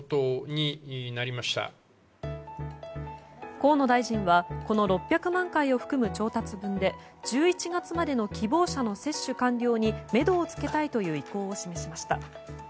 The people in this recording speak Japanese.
河野大臣はこの６００万回を含む調達分で１１月までの希望者の接種完了にめどをつけたいという意向を示しました。